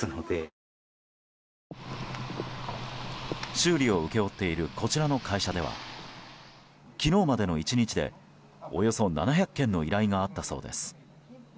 修理を請け負っているこちらの会社では昨日までの１日でおよそ７００件の依頼があったそうです。